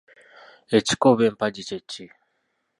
Ekika oba Empagi kye ki?